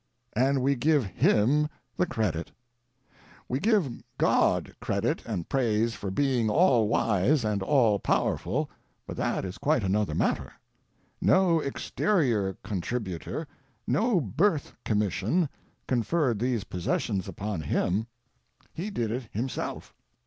And we give him the credit ! We give God credit and praise for being all wise and all power ful ; but that is quite another matter. No exterior contributor, no birth commission, conferred these possessions upon Him; He did it Himself.